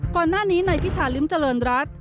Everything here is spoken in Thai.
ก่อนหน้านี้ในพิธาริมเจริญรัฐ